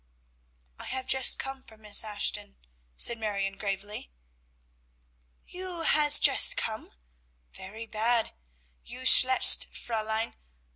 "I have just come from Miss Ashton," said Marion gravely. "You has just come! Very bad. You schlecht Fräulein!